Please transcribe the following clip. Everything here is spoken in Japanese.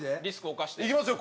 いきますよ。